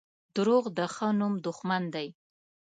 • دروغ د ښه نوم دښمن دي.